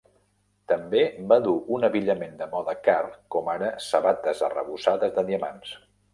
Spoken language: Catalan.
També va dur un abillament de moda car, com ara "sabates arrebossades de diamants".